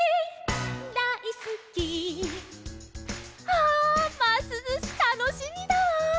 ああますずしたのしみだわ。